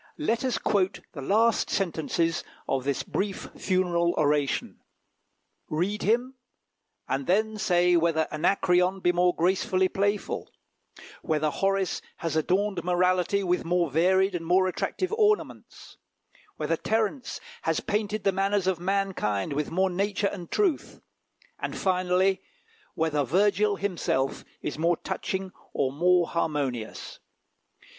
Let us quote the last sentences of this brief funeral oration: "Read him, and then say whether Anacreon be more gracefully playful; whether Horace has adorned morality with more varied and more attractive ornaments; whether Terence has painted the manners of mankind with more nature and truth; and finally, whether Virgil himself is more touching or more harmonious."